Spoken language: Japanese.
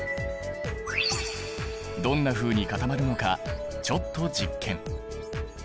どんなふうに固まるのかちょっと実験。